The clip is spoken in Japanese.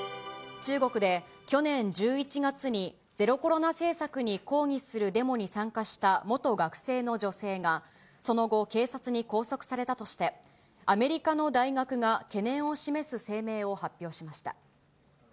中国で去年１１月にゼロコロナ政策に抗議するデモに参加した元学生の女性が、その後、警察に拘束されたとして、アメリカの大学が懸念を示す声明を発表しました。